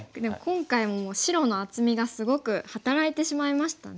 今回もう白の厚みがすごく働いてしまいましたね。